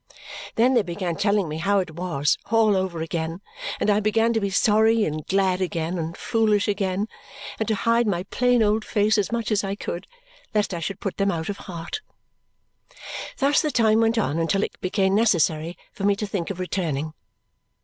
Then they began telling me how it was all over again, and I began to be sorry and glad again, and foolish again, and to hide my plain old face as much as I could lest I should put them out of heart. Thus the time went on until it became necessary for me to think of returning.